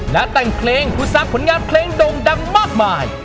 และแต่งเพลงผู้ซักผลงานเพลงดงดังมากมาย